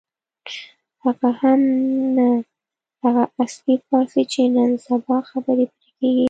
هغه هم نه هغه عصري فارسي چې نن سبا خبرې پرې کېږي.